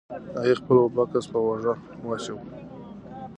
هغې خپل بکس په اوږه واچاوه.